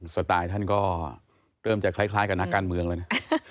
สตายท่านก็เริ่มจะคล้ายกับนักการเมืองเลย